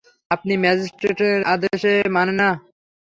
আপনি ম্যাজিস্ট্রেটের আদেশ মানেন না?